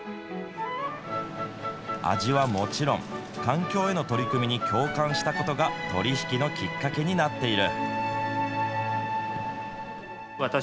味はもちろん、環境への取り組みに共感したことが、取り引きのきっかけになっている。